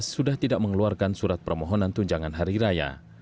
sudah tidak mengeluarkan surat permohonan tunjangan hari raya